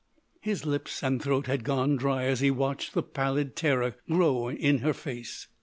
His lips and throat had gone dry as he watched the pallid terror grow in her face.